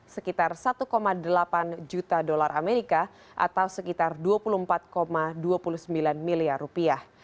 sekitar satu delapan juta dolar amerika atau sekitar dua puluh empat dua puluh sembilan miliar rupiah